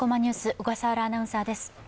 小笠原アナウンサーです。